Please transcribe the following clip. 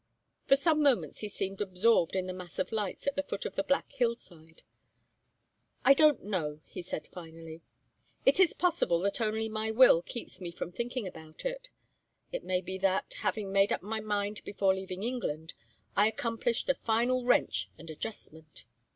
For some moments he seemed absorbed in the mass of lights at the foot of the black hill side. "I don't know," he said, finally. "It is possible that only my will keeps me from thinking about it. It may be that, having made up my mind before leaving England, I accomplished a final wrench and adjustment.